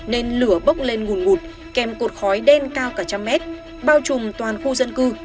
nên lửa bốc lên nguồn ngụt kèm cột khói đen cao cả trăm mét bao trùm toàn khu dân cư